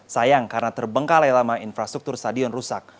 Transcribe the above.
sayang karena terbengkalai lama infrastruktur stadion rusak